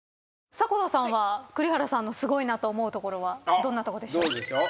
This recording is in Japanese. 迫田さんは栗原さんのすごいなと思うところはどんなとこでしょう？